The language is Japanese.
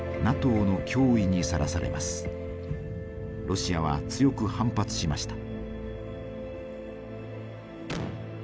ロシアは強く反発しました。